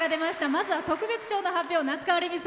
まずは特別賞の発表。